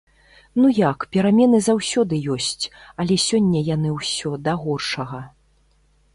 Ну як, перамены заўсёды ёсць, але сёння яны ўсё да горшага.